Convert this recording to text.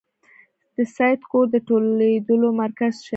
د سید کور د ټولېدلو مرکز شي.